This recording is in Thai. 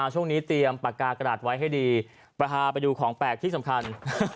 ช่วงนี้เตรียมปากกากระดาษไว้ให้ดีพาไปดูของแปลกที่สำคัญ